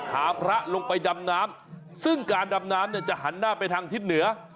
พระลงไปดำน้ำซึ่งการดำน้ำเนี่ยจะหันหน้าไปทางทิศเหนือ